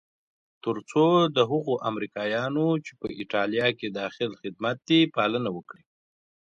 تر څو د هغو امریکایانو چې په ایټالیا کې داخل خدمت دي پالنه وکړي.